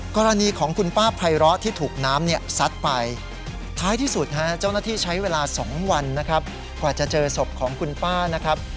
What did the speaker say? กรณีของคุณป้าไพร้อที่ถูกน้ำเนี่ยซัดไปท้ายที่สุดฮะเจ้าหน้าที่ใช้เวลา๒วันนะครับกว่าจะเจอศพของคุณป้านะครับ